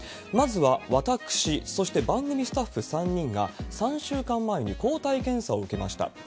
まずは私、そして番組スタッフ３人が、３週間前に抗体検査を受けました。